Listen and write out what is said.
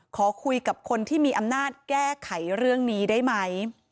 ขอคุยกับคนที่มีอำนาจแก้ไขเรื่องนี้ได้ไหม